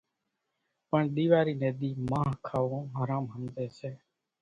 پڻ ۮيواري ني ۮِي مانۿ کاوون حرام ۿمزي سي